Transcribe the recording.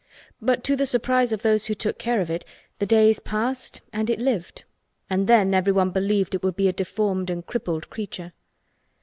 But to the surprise of those who took care of it the days passed and it lived and then everyone believed it would be a deformed and crippled creature.